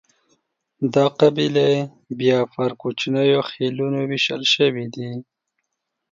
دا قبیلې بیا پر کوچنیو خېلونو وېشل شوې دي.